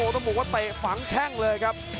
ต้องบอกว่าเตะฝังแข้งเลยครับ